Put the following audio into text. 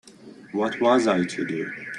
What was I to do?